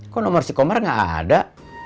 kau nomor si komar nggak ada